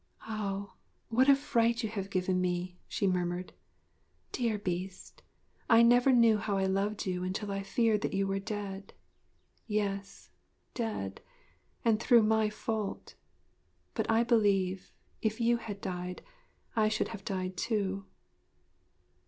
'Ah! what a fright you have given me!' she murmured. 'Dear Beast, I never knew how I loved you until I feared that you were dead yes, dead, and through my fault! But I believe, if you had died, I should have died too.'